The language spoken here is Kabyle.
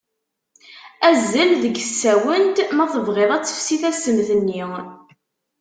Azzel deg tsawent, ma tebɣiḍ ad tefsi tassemt-nni.